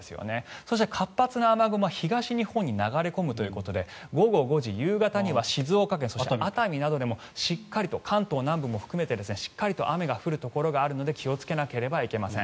そして、活発な雨雲は東日本に流れ込むということで午後５時、夕方には静岡県そして熱海などでもしっかりと関東南部も含めてしっかりと雨が降るところがあるので気をつけなければいけません。